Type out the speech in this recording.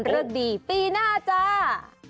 เลิกดีปีหน้าจ้า